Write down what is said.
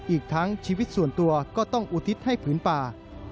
อีกทั้งชีวิตส่วนตัวก็ต้องอุทิศให้ผืนป่า